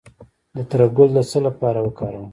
د تره ګل د څه لپاره وکاروم؟